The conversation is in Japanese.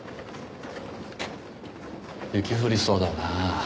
雪降りそうだな。